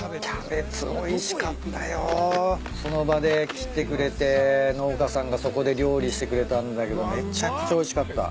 その場で切ってくれて農家さんがそこで料理してくれたんだけどめちゃくちゃおいしかった。